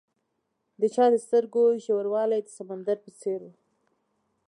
د چا د سترګو ژوروالی د سمندر په څېر وي.